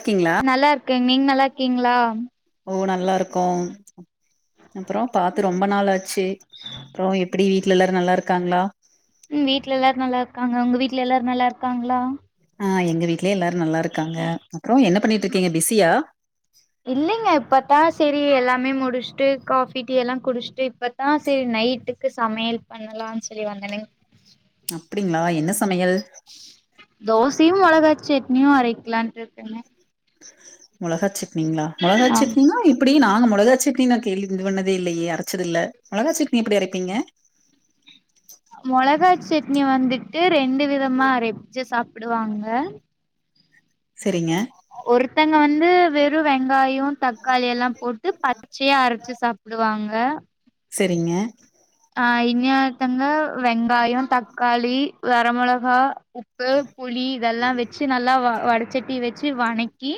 க்கீங்ளா க்க நீங் நல்லா இருக்கீங்ளா ஓ நல்லா இருக்கோ அப்புறோ பாத்துரோ ம்ப நாள் ஆச் ச்சி அப்றோ எப்புடி ட்ல எல்லாரு நல்லாருக்காங்ளா ம் வீட்ல எல்லாரு‌ நல்லார்க்காங்க உங்க வீட்ல எல்லாரு நல்லாருக்காங்ளா ஆ எங்க வீட் லே எல்லாரு நல்லா இருக்காங்க அப்புறோ என்னப் பண்ணிட்ருக்கீங்க பிஸியா இல்லைங்க இப்பத்தான் சேரி எல்லா மே முடிச்சுட்டு காபி டீ எல்லாம் குடிச்சுட்டு இப்பதான் சேரி நைட்டுக்கு சமையல் பண்ணலாம்னு சொல்லி வந்தனங்க அப்படிங்களா என்ன சமையல் சட்னியும் அரைக்கலான் இருக்கேங்க முளகா சி ட்னிங்களா ஆம் மொளகாச்சட்னீனா இப்படி நானும் மொளகா சட்னின்னு கேலி இது பண்ணதே இல்லையே அரைச்சது இல்ல மொளகா சட்னி எப்படி அரைப்பீங்க செட்னி வந்து இது ரெண்டு விதமா அரச்சி சாப்ட்டு விடுவாங்க சரிங்க ஒருத்தங்க வந்து வெறும் வெ வெங்காயம் தக்காளி எல்லாம் போட்டு பச்சையா அரைச்சு சாப்பிடுவாங்க ஆஹ சரிங்க ஆஹ் இன்னொருத்தங்க வெங்காயம் தக் தக்காளி வரமொளகா உப்பு புளி இதெல்லாம் வச்சு நல்லா வ வட சட்டி வச்சு வணக்கி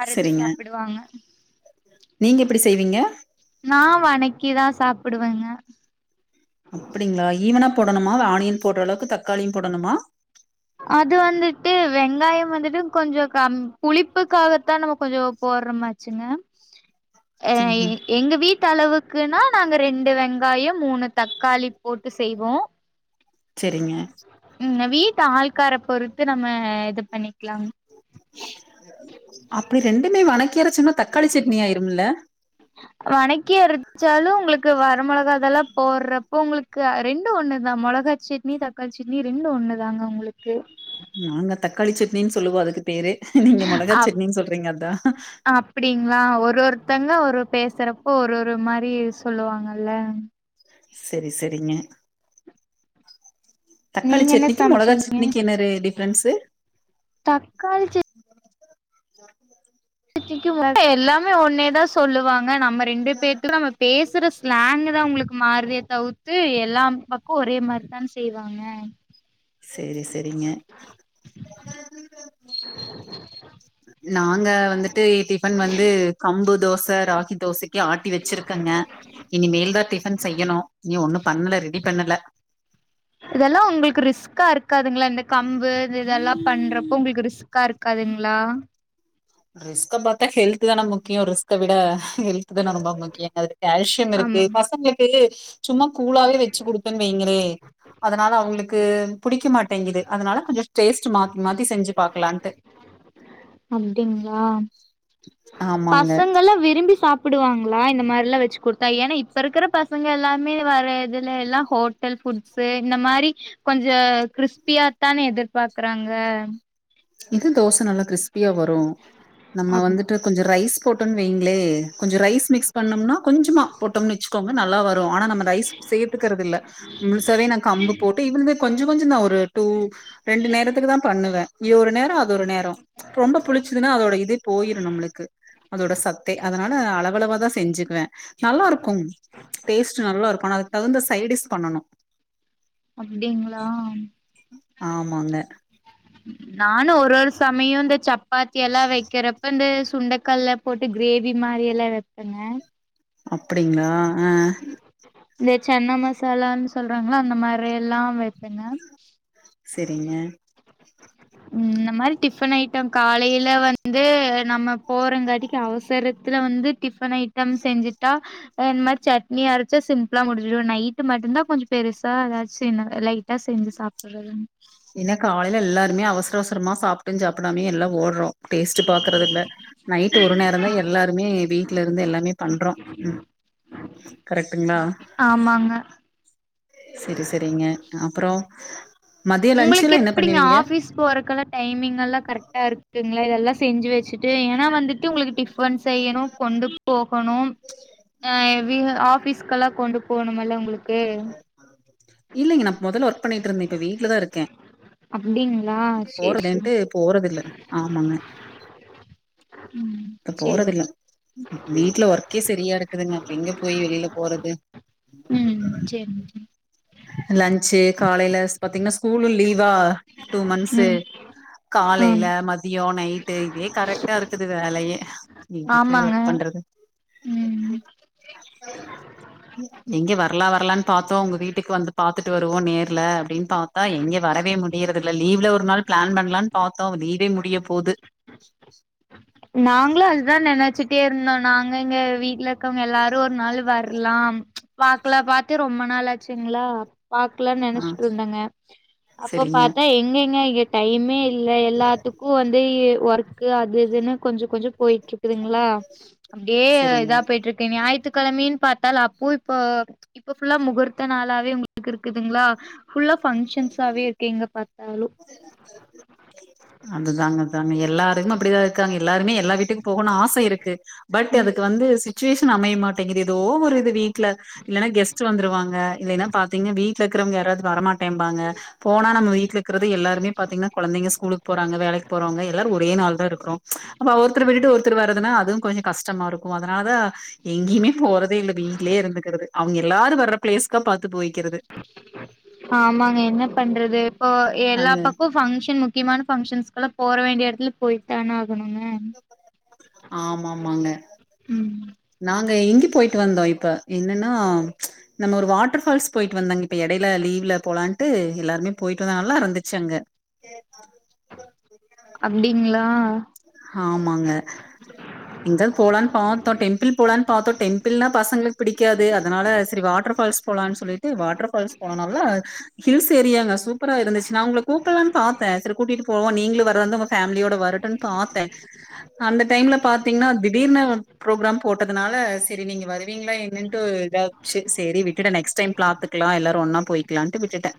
அரைச்சு செரிங்க சாப்பிடுவாங்க நீங்க எப்படி செய்வீங்க நா வணக்கிதான் சாப்பிடுவேங்க அப்படிங்களா ஈவனா போடணுமா ஆணியன் போடுற அளவுக்கு தக் தக்காளியும் போடணுமா அது வந்துட்டு வெங்காயம் வந்துட்டு கொஞ்சம் கம் புளிப்புக்காகத்தான் நம்ம கொஞ்சம் போடுறமாச்சுங்க அஹ செரிங்க எங்க வீட் எந்தளவுக்குன்னா நாங்க ரெண்டு வெங்காயம் மூணு தக்காளி போட்டு செய்வோம் சேரிங்க இவங்க வீட் அஆ க்கார பொறுத்து நம்ம இது பண்ணி அப்ப ரெண்டுமே வண வணக்கி அரச்சாலு உங்களுக்கு வ ர மொளகா அதெல்லா போட்றப்போ உங்களுக்கு அ, ரெண்டு ஒன்னு தா மொளகா சட்னி தக்காளி சட்னி ரெண்டு ஒன்னு தாங்க உங்களுக்கு நாங்க தக்காளி சட்னின் சொல்லுவோ அதுக்கு பேரு நீங்க மொளகா அப் சட்னின் சொல்றீங்க அதா த்தங்க ஒரு பேசறப்போ ஒரு ஒரு மாரி சொல்லுவாங்கல்ல செரி செரிங்க தக்காளி நீங்க என்ன சட்னிக்கு மொளகா சட்னிக்கு என்ன ரே டிஃப் ப்ரெண்ஸு தக்காளிச் சட் னிக்கு [unintelligible] எல்லாமே ஒன்னே தா சொல்லுவாங்க ஆனா நம்ம ரெண்டு பேத்துக்கு நம்ம பேசுற ஸ்லாங் இதா உங்குளுக்கு மாறுதே தவுத்து எல்லாம்பக்கு ஒரே மாரிதான் செய்வாங்க செரி செரிங்க நாங்க வந்துட்டு டிஃபன் வந்து கம்பு தோச ராகி தோசைக்கி ஆட்டி வச்சிருக்கங்க இனி மேல்தா டிஃபன் செய்யணு இனியு ஒன்னு பண்ணுல ரெடி பண்ணல இதெல்லா உங்கள்க்கு ரிஸ்க்கா இருக் காதுங்ளா இந்த கம்பு இந்த இதெல்லா பண்றப்ப உங்ளுக்கு ரிஸ்க்கா இருக்காதுங்ளா ரிஸ்க்க பாத்தா ஹெல்த் தான முக்கிய ரிஸ்க்க விட ஹெல்த் தான ரொம்ப முக்கியனாரு கால்சியம் இருக்கு ஆமாங் பசங்ளுக்கு சும்மா கூழாவே வச்சு குடுத்தன் வைங்களே அதனால அவங்களுக் க்கு புடிக்க மாட்டேங்கிது அதுனால கொஞ்சோ டேஸ்ட் மாத்தி மாத்தி செஞ்சு பாக்லான்ட்டு ஆ பசங்கலா விரும்பி சாப் புடுவாங்ளா இந்த மார்லா வச்சு குடுத்தா ஏனா இப்ப இருக்கிற பசங்க எல்லாமே வர இதுல எல்லா ஹோட்டல் ஃபுட்ஸு இந்த மாரி கொஞ்ச கிரிஸ்பியா தானே இது பாக்குறாங்க இது தோச நல்லா கிரிஸ்பியா வ டு நம்ம அப் வந்துட்டு கொஞ்சோ ரைஸ் போட்டோன் வைங்ளே கொஞ்சு ரைஸ் மிக்ஸ் பண்ணம்னா கொஞ்சுமா போட்டோம் நெச்கோங்க நல்லா வரு ஆனா நம்ம ரைஸ் சேத்துக்கறதில்ல முழுசாவே நான் கம்பு போட்டு இவில்தே கொஞ்சு கொஞ்சந்தா ஒரு டூ ரெண்டு நேரத்துக்கு தா பண்ணுவே இது ஒரு நேர அது ஒரு நேர ரொம்ப புளிச்சதுனா அதோட இதே போயிரு நம்முளுக்கு அதோட சத்தே அதனால அளவளவா தா செஞ்சுக்குவே நல்லாருக்கு டேஸ்ட் நல்லாருக்கு ஆனா அதுக்கு தகுந்த சைடிஸ் பண்ணனு அப்டிங்ளா ஆமாங்க நானு ஒரு ஒரு சமயோ இந்த சப்பாத்தி எல்லா வெக்கறப்ப இந்த சுண்டக்கல்ல போட்டு க்ரேவி மாரி எல்லா வெப்பேங்க அப்படிங்களா ஆஹ் இந்த சன்ன மசாலான் சொல்றாங்கல்ல அந்த மாரி எல்லா வெப்பேங்க செரிங்க உம் இந்த மாரி டிஃபன் ஐட்டம் காலைல வந்து நம்ம போறங்காட்டிக்கு அவசரத்துல வந்து டிஃபன் ஐட்டம் செஞ்சுட்டா அ, இந் மாரி சட்னி அரச்சா சிம்பிளா முடிஞ்சிரு நைட்டு மட்டுந்தா கொஞ்சோ பெருசா எதாச் சின்னதா லைட்டா செஞ்சு சாப்பிறதுன் ல்ல எல்லாருமே அவசர அவசரமா சாப்ட்டுஞ் சாப்டாமயு எல்லா ஓட்றோ டேஸ்ட்டு பாக்கறதில்ல நைட்டு ஒரு நேரந்தா எல்லாருமே வீட்லருந்து எல்லாமே பண்றோ ம் கரக்ட்டுங்களா ஆமாங்க செரி செரிங்க அப்றோ உங்களுக்கு எப்படிங்க ஆஃபிஸ் போறக்கெல்லா டைமிங் எல்லா கரக்ட்டா இருக்குங்களா இதெல்லா செஞ்சு வெச்சுட்டு ஏன்னா வந்துட்டு உங்களுக்கு டிஃப் பன் செய்யணு கொண்டு போகணு ஆஹ் வீ ஆஃபிஸ்கெல்லா கொண்டு போனுமல்ல உங்களு கே இல்லைங்க நா மொதல்ல ஒர்க் பண்ணிட்ருந்தே இப்ப வீட்ல தா இருக்கே அப்டிங்களா சேரி சேரி [inaudible] போறதில்ல ஆமாங்க ம் இப்ப சேரி போறதில்ல வீட்ல ஒர்க்கே செரியா இருக்குதுங்க அப்ற எங்க போய் வெளில போறது ம் சேரி லன்ச்சு காலைல ஸ் பாத்தீங்னா ஸ்கூலு வா டூ மன்ஸ்ஸு ம் ஆ காலைல மதியோ நைட்டு இதே கரெக்ட்டா இருக்குது வேலையே எங்க போய் ஆமாங்க ஒர்க் பண்றது ம் எங்க வரலா வரலான் பாத்தோ உங்க வீட்டுக் வந்து பாத்துட் டு வருவோ நேர்ல அப்படின்னு பாத்தா எங்க வரவே முடியறது இல்ல லீவ்ல ஒரு நாள் பிளான் பண்ணலாம்னு பாத்தோ லீவே முடிய போது தா நெனைச்சிட்டே இருந்தோ நாங்க எங்க வீட்ல இருக்கவங்க எல்லாரு ஒரு நாள் வரலாம் பாக்கல பாத்தே ரொம்ப நாளாச்சுங்களா பாக்கலான்னு ஆ நெனச்சிட்டு இருந்தங்க அப்ப செரிங்க பாத்தா எங்கங்க டைமே இல்ல எல்லாத்துக்கு வந்து ஒர்க் கு அது இதுன்னு கொஞ்ச கொஞ்ச போயிட்ருக்குதுங்களா அப்படியே செரிங்க இதா போய்டு இருக்கு ஞாயித்துக் கிழமைனு பாத்தா அப்போ இப்ப இப்ப ஃபுல்லா முகூர்த்த நாளாவே உங்க க்கு இருக்குதுங்களா ஃபுல்லா பங்க்ஷன்ஸாவே இருக்கு எங்க பாத் தாலு அதுதாங்க அதாங்க எல்லாரும் அப்படிதா இருக்காங்க எல்லாருமே [unintelligible] டு போகனு ஆசை இருக்கு பட் அதுக்கு வந்து சிச் சுவேஷன் அமைய மாட்டேங்குது ஏதோ ஒரு இது வீட்ல இல்லன்னா கெஸ்ட் வந்துருவாங்க இல்லைன்னா பாத்தீங்கனா வீட் க்கரவுங்க யாராவது வரமாட்டேன்ம்பாங்க போனா நம்ம வீட்ல இருக்கறது எல்லாருமே பாத்தீங்கன்னா கொழந்தைங்க ஸ்கூலுக் வேலைக்கு போறவங்க எல்லாரு ஒரே நாள் தான் இருக்கறோ அப்ப ஒருத்தர விட்டுட்டு ஒருத்தர் வரதுன்னா அஹ் அதுவு கொஞ்ச கஷ்டமா இருக்கு அதனால தா எங்கேயுமே போறதே இல்ல வீட்லே இருந்துக்கறது அவங்க எல்லாரு வர்ற பிளேஸ்கா பாத் ஆமாங்க என்ன பண்றது இப்ப எல்லா நாங்க பக்க பங்க்ஷன் முக்கியமான பங்க்ஷன்ஸ்க்கலா போர வேண்டிய எடத்ல எல்ல போய்த்தான ஆமாமாங்க ம் நாங்க இங்கு போயிட்டு வந்தோ இப்ப என்னன்னா நம்ம ஒரு வாட் ட்டர்ஃபால்ஸ் போயிட்டு வந்தங்க இப்ப எடை யில லீவ்ல போலான்ட்டு எல்லாருமே போயிட்டோ நல்லா இருந்துச்சு அங்க அப்டிங்ளா ஆஹ் ஆமாங்க எங்கயாது போலான்னு பாத்தோ டெம்பிள் போலான்னு பாத்தோ டெம்பிள்னா பசங்களுக்கு பிடிக்காது அதனால சரி வாட்டர்ஃபால்ஸ் போலான்னு சொல்லிட்டு வாட்டர்ஃபால்ஸ் போனனால ஹில்ஸ் ஏரியாங்க சூப்பரா இருந்துச்சு நா உங்களக் கூப் டலானு பாத்தேன் சரி கூட்டிட்டு போவோ நீ நீங்களு வரதாருந்தா உங்க ஃபேமிலியோட வரட்டுன் பாத்தீங்கன்னா திடீர்னு ப்பிங்களா என்னன்ட்டு ஒரு இதாச்சு சரி விட்டுட்ட நெக்ஸ்ட் டைம் பாத்துக்லா எல்லாரு ஒன்னா போயிக்கலான்ட்டு விட்டுட்டே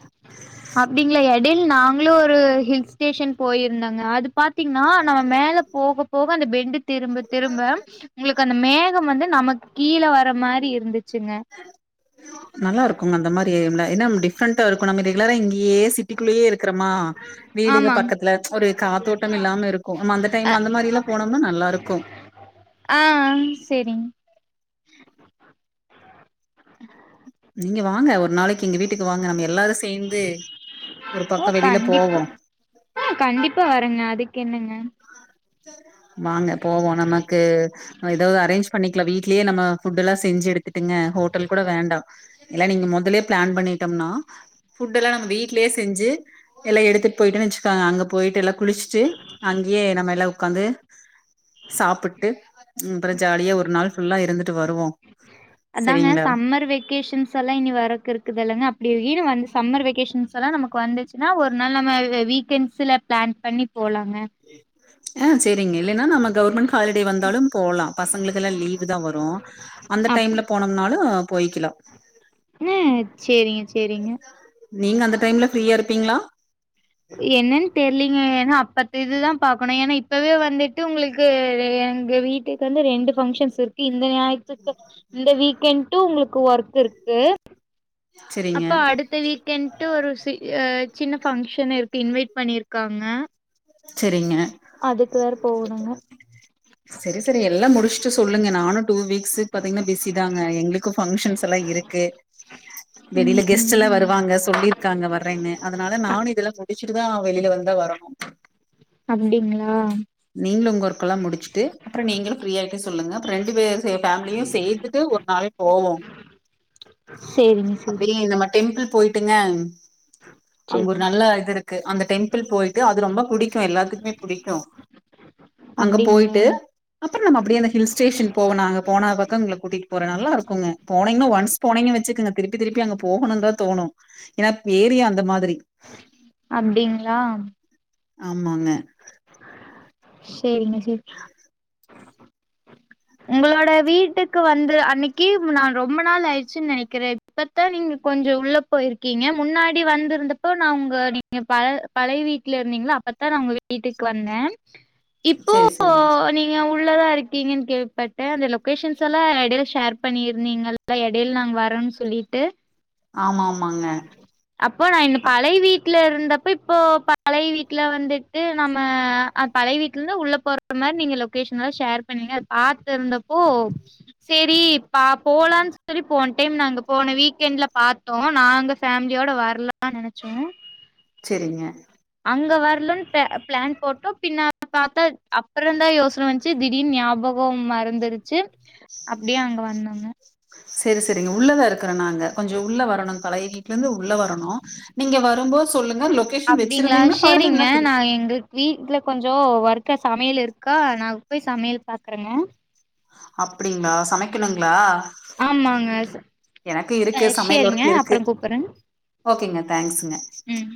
வெகேஷன் போயிருந்தங்க அது பாட் தீங்னா நம்ம மேல போக போ அப்போ அந்த பெண்டுக் திரும்ப திரும்ப உங்களுக் அந் அந்த மேகம் வந்து நமக் கீழ வர மாரி இருந்து நல்லா இருக்குங்க அந்த மாரி யம்ல என்னம்டி டிஃப்ரண்டா இருக்கணு நம்ம ரெகுலரா இங்கேயே சிக் வீட்டுக்குள்ளேயே இருக்கறமா வீடுங்க ஆமாங் பக்கத்துல ஒரு காத்தோட்டம் இல்லாம இருக்கு நம்ம அந்த டைம் அந்த மாரில்லா போனோம்னா நல்லாருக்கு ஆ செரிங் இங்க வாங்க ஒரு நாளைக் கு எங்க வீட்டுக்கு வாங்க நம்ம எல்லாரு சேந்து ஒரு ஓ பக்கோ வெளில கண்டிப்பா போவோ ஆ கண்டிப்பா வரேங்க அதுக்கு என்னங்க வாங்க போவோ நமக்கு ஏதாவது அரேஞ்ச் பண்ணிக்ல வீட்லயே நம்ம ஃபுட் எல்லா செஞ்சு எடுத்துட்டுங்க ஹோட்டல் கூட வேண்டா எல்லா நீங்க மொதலே ப்ளன் பண்ணிட்டம்னா ஃபுட் எல்லா நம்ம வீட்லே செஞ்சு எல்லா எடுத்துட்டு போய்ட்டன் வச்சுக்கோங்க அங்க போய்ட்டு எல்லா குளிச்சிட்டு எ நம்ம எல்லா உக்காந்து சாப்பிட்டு ம் அப்புறோ ஜாலியா ஒரு நாள் ஃபுல்லா இருந்துட்டு வருவோ அதாங்க சரிங்களா சம்மர் வெக்கேஷன்ஸ் எல்லா இனி வரக்கு இருக்குது இல்லங்க அப்டி இரு வந்து சம்மர் வெகேஷன்ஸ் எல்லா நமக்கு வந்துச் ன்னா ஒரு நாள் நம்ம வீக் கென்ட்ஸ்ல பிளான் பண்ணி போலா ஆ செரிங்க இல்லைன்னா நம்ம கவர்மெண்ட் ஹாலிடே வந்தாலு போலா பசங்களுக்கெல்லா லீவுதா வரு அந்த அப் டைம்ல போனம்னாலு போய்க்கிலா அ சேரிங்க சேரிங்க நீங்க அந்த டைம்ல ஃப்ரீயா இருப்பிங்ளா என்னென் தெர்லிங் க அப்பத்து இதுதா பாக்கணு ஏன்னா இப்பவே வந்துட்டு உங்களுக்கு எங்க வீட்டுக்கு வந்து ரெண்டு பங்கஷன்ஸ் இருக்கு இந்த ஞாயித்துக இந்த வீக்கெண்ட் டு உங்களுக்கு ஒர்க் இருக்கு சரிங்க அப்போ அடுத்த வீக்கெண்ட்டு ஒரு சி அ சின்ன பங்க்ஷன் இருக்கு இன்வைட் பண்ணிருக் காங்க செரிங்க போகணுங்க செரி செரி எல்லா முடிச்ட்டு சொல்லுங்க நானு டூ வீக்ஸு பாத்திங்னா பிஸிதாங்க எங்களுக்கு பங்க்ஷன்ஸ் எல்லா இருக்கு வெளில கெஸ்ட் எல்லா ம் வருவாங்க சொல்லிருக்காங்க வரேன்னு அதனால நானு இதெல்லா முடிச்சுட்டுதா வெளில வந்தா வரணு அப்டிங்களா நீங்களும் உங்க ஒர்க்கெல்லாம் முடிச்சுட்டு அப்புறம் நீங்களும் ஃப்ரீ ஆயிட்டு சொல்லுங்க அப்புறம் ரெண்டு பேர் சேர் ஃபேமிலியும் சேத்துட்டு ஒரு நாள் போவோம் சேரிங்க சேரிங்க அப்புடியே இந்த மாரி டெம்பிள் போய்ட்டுங்க அங்க சேரி ஒரு நல்ல இதுருக்கு அந்த டெம்ப்பிள் போயி அது ரொம்ப புடிக்கு எல்லாத்துக்மே புடிக்கு அங்க அப்டிங்களா போயிட்டு அப்பறோ நம்ம அப்டியே அந்த ஹில் ஸ்டேஷன் போனாங்க போனா பக்கம் எங்கள கூட்டிட்டு போற நல்லா இருக்குங்க போனீங்னா ஒன்ஸ் போனீங்கன் வச்சுக்குங்க திருப்பி திருப்பி அங்க போகணுன் தா தோணு ஏனா ஏரிய அப்டிங்ளா ஆமாங்க சேரிங்க சேரி உங்களோடய வீட்டுக்கு வந்து அன்னக்கி நா ரொம்ப நாள் ஆயிருச்சுன் நெனைக்கிறே இப்பத்தா நீங்க கொஞ்ச உள்ள போயிருக்கீங்க முன்னாடி வந்திருந்தப்போ நா உங்க நீங்க பழ பழைய வீட்ல இருந்தீங்ளா அப்பத்தா நா உங்க வீட்டுக்கு வந்தே இப்போ செரி செரிங்க நீங்க உள் உள்ளதா இருக்கீங்கன் கேட் பட்டு அந்த லொகேஷன்ஸெல்லா எடைல ஷேர் பண்ணியிருந்தீங்கள்ல எடைல நாங்க வரோம்ன் சொல்லிட்டு ஆமா ஆமா அப்போ அந்த பழைய வீட் ட்ல இருந்தப்ப இப்போ பழைய வீட்ல வந்துட்டு நம்ம அஹ் பழைய வீட்ல இருந்து உள்ள போறது மாரி நீங்க லொகேஷன்லா ஷேர் பண்ணுங்க பாத்து இருந்தப்போ சேரி பா போலான் சொல்லி போன் டைம் நா அங்க போன வீக்கெண்ட்ல பாத்தோ நாங்க ஃபேம்லியோட வர்லான் நெனச்சோ செரிங்க அங்க வரலான் பே பிளான் போட்டோ, பின்ன பாத்தா அப்பறந்தா யோஸ்ன வந்துச்சு திடீனு ஞாபகோ மறந்துருச்சு. அப்டியே அங்க வந்தாங்க. செரி செரிங்க உள்ளதா இருக் கருனாங்க கொஞ்ச உள்ள வரணுங் பழைய வீட்லருந்து உள்ள வரணு. நீங்க வரும்போ சொல்லுங்க. லொகேஷன் அப்டிங்களா வச்சிருந்தீங்கன்னா பாருங்க சேரிங்க. இல்லன்னா திரு நா எங்கு வீட்டுல கொஞ்ச. ஜோ ஒர்க்கா சமையல் இருக்கா நாங்க போய் சமையல் பாக்குறேங்க. அப்டிங்களா சமைக்கணுங்களா. ஆமாங்க, ச எனக்கு அ இருக்கு சமையல் ஷேரிங்க ஒர்க் இருக்கு அப்பறம் கூப்பிறங். ஓகேங்க தேங்க்ஸ்ங்க ம்..